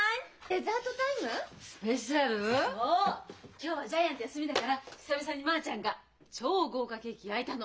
今日はジャイアント休みだから久々にまあちゃんが超豪華ケーキ焼いたの。